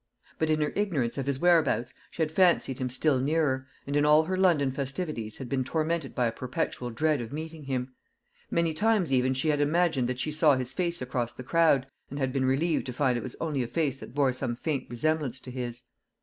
But in her ignorance of his whereabouts she had fancied him still nearer, and in all her London festivities had been tormented by a perpetual dread of meeting him. Many times even she had imagined that she saw his face across the crowd, and had been relieved to find it was only a face that bore some faint resemblance to his.